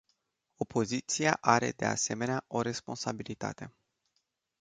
Opoziția are, de asemenea, o responsabilitate.